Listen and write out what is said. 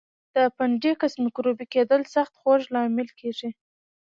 د اپنډکس میکروبي کېدل سخت خوږ لامل کېږي.